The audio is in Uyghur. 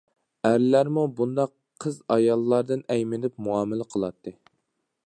ئەرلەرمۇ بۇنداق قىز- ئاياللاردىن ئەيمىنىپ مۇئامىلە قىلاتتى.